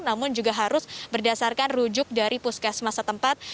namun juga harus berdasarkan rujuk dari puskesmas setempat